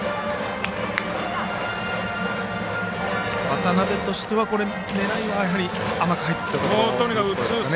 渡邊としては狙いは甘く入ってきたところですかね。